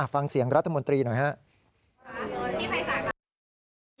ฟังเสียงรัฐมนตรีหน่อยครับ